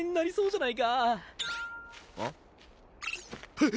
はっ！